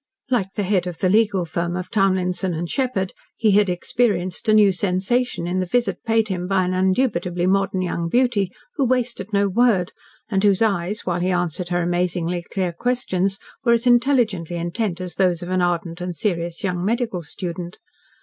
Like the head of the legal firm of Townlinson & Sheppard, he had experienced a new sensation in the visit paid him by an indubitably modern young beauty, who wasted no word, and whose eyes, while he answered her amazingly clear questions, were as intelligently intent as those of an ardent and serious young medical student.